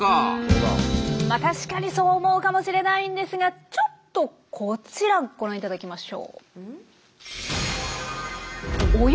うん確かにそう思うかもしれないんですがちょっとこちらをご覧頂きましょう。